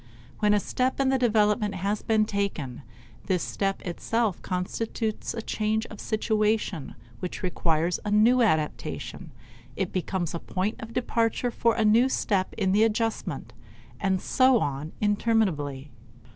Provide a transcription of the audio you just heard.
When a step in the development has been taken, this step itself constitutes a change of situation which requires a new adaptation; it becomes the point of departure for a new step in the adjustment, and so on interminably.